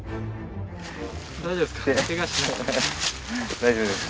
大丈夫ですか？